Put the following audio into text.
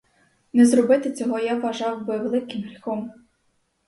Не зробити цього я вважав би великим гріхом.